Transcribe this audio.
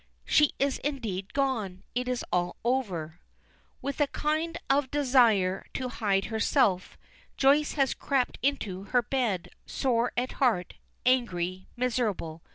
She is indeed gone! It is all over! With a kind of desire to hide herself, Joyce has crept into her bed, sore at heart, angry, miserable.